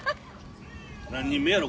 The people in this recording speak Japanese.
何人目やろ？